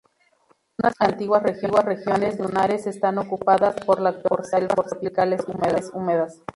Algunas antiguas regiones dunares están ocupadas en la actualidad por selvas tropicales húmedas.